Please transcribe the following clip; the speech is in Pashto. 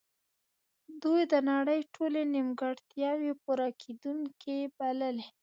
دوی د نړۍ ټولې نیمګړتیاوې پوره کیدونکې بللې